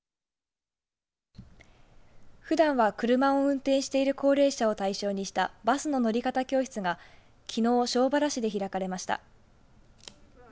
ふだんは車を運転している高齢者を対象にしたバスの乗り方教室がきのう、庄原市で開かれました。